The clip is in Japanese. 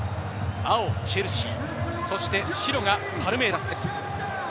青がチェルシー、そして白がパルメイラスです。